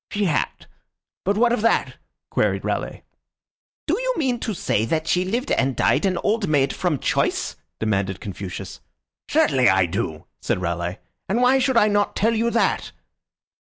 "She had; but what of that?" queried Raleigh. "Do you mean to say that she lived and died an old maid from choice?" demanded Confucius. "Certainly I do," said Raleigh. "And why should I not tell you that?"